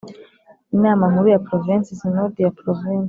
Inama nkuru ya Provensi Sinodi ya Provensi